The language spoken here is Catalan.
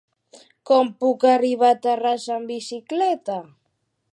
Com puc arribar a Terrassa amb bicicleta?